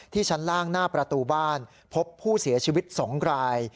ชั้นล่างหน้าประตูบ้านพบผู้เสียชีวิต๒ราย